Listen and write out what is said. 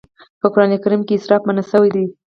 په قرآن کريم کې اسراف منع شوی دی.